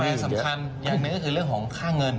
แล้วก็ต่อไปสำคัญอย่างนี้ก็คือเรื่องของค่าเงิน